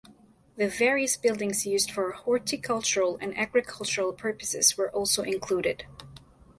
The various buildings used for horticultural and agricultural purposes were also included.